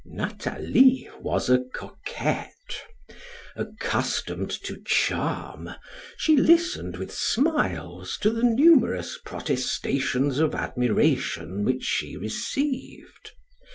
Nathalie was a coquette. Accustomed to charm, she listened with smiles to the numerous protestations of admiration which she received.